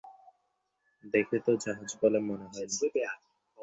দেখে তো জাহাজ বলে মনেই হয় না।